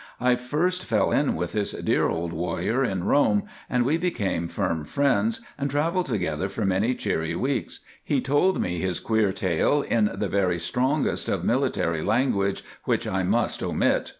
I first fell in with this dear old warrior in Rome, and we became firm friends, and travelled together for many cheery weeks. He told me his queer tale in the very strongest of military language, which I must omit.